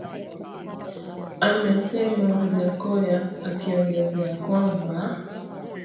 Amesema Wajackoya akiongezea kwamba